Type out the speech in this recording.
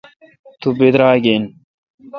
تو بدراگ این۔